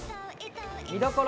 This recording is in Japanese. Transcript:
見どころ